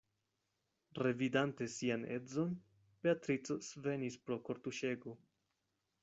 Revidante sian edzon, Beatrico svenis pro kortuŝego.